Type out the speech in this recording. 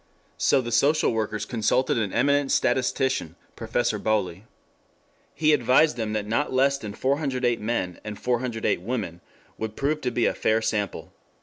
So the social workers consulted an eminent statistician, Professor Bowley. He advised them that not less than 408 men and 408 women would prove to be a fair sample.